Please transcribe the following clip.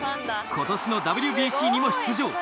今年のＷＢＣにも出場